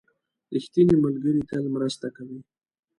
• ریښتینی ملګری تل مرسته کوي.